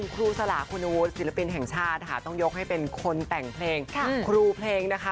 ครูสลาคุณวุฒิศิลปินแห่งชาติค่ะต้องยกให้เป็นคนแต่งเพลงครูเพลงนะคะ